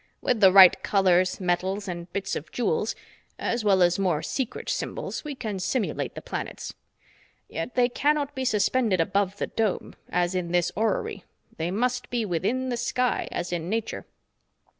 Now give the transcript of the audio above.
"With the right colors, metals and bits of jewels as well as more secret symbols we can simulate the planets. Yet they cannot be suspended above the dome, as in this orrery they must be within the sky, as in nature."